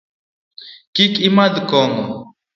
Kik imadh kong'o.